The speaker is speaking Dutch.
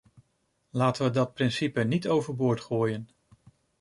Laten we dat principe niet overboord gooien.